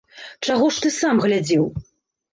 Чаго ж ты сам глядзеў?!